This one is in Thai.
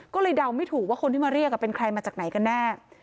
ก็เลยเดาไม่ถูกว่าคนที่มาเรียกเป็นใครมาจากไหนกันแน่